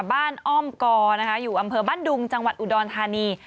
อ้อมกอนะคะอยู่อำเภอบ้านดุงจังหวัดอุดรธานี